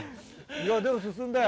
いやでも進んだよ。